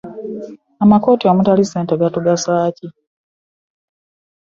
Amakooti omutali ssente gatugasa ki?